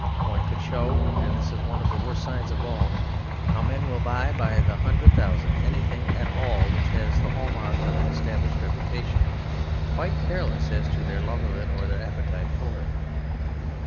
One could show and this is one of the worst signs of all how men will buy by the hundred thousand anything at all which has the hall mark of an established reputation, quite careless as to their love of it or their appetite for it.